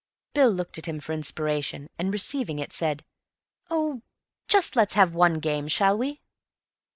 Bill looked at him for inspiration, and, receiving it, said, "Oh, just let's have one game, shall we?"